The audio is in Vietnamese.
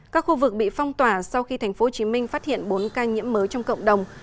các khu vực bị phong tỏa sau khi tp hcm phát hiện bốn ca nhiễm mới trong cộng đồng